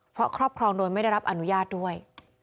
เพราะครอบครองโดยไม่ได้รับอนุญาตด้วย